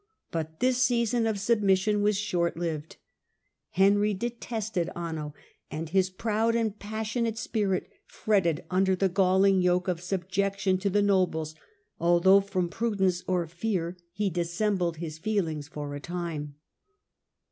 But this season of submission was short lived. Henry detested Anno, and his proud and passionate spirit fretted under the galling yoke of sub jection to the nobles, although from prudence or fear he dissembled his feelings for a time.